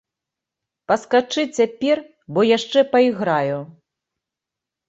Паскачы цяпер, бо яшчэ пайграю.